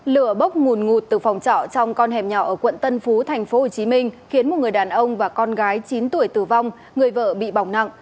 lửa bốc nguồn ngụt từ phòng trọ trong con hẻm nhỏ ở quận tân phú tp hcm khiến một người đàn ông và con gái chín tuổi tử vong người vợ bị bỏng nặng